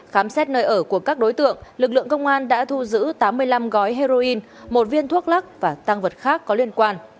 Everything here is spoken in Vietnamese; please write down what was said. khám xét nơi ở của các đối tượng lực lượng công an đã thu giữ tám mươi năm gói heroin một viên thuốc lắc và tăng vật khác có liên quan